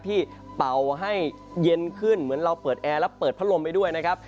เป่าให้เย็นขึ้นเหมือนเราเปิดแอร์แล้วเปิดพัดลมไปด้วยนะครับ